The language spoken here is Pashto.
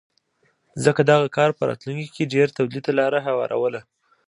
ځکه دغه کار په راتلونکې کې ډېر تولید ته لار هواروله